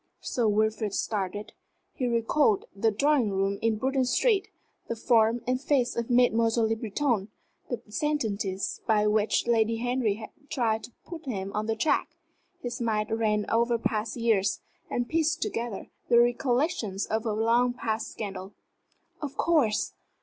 Sir Wilfrid started. He recalled the drawing room in Bruton Street; the form and face of Mademoiselle Le Breton; the sentences by which Lady Henry had tried to put him on the track. His mind ran over past years, and pieced together the recollections of a long past scandal. "Of course!